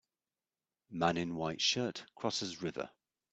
Man in white shirt crosses river.